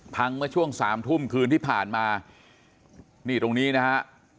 เมื่อช่วงสามทุ่มคืนที่ผ่านมานี่ตรงนี้นะฮะ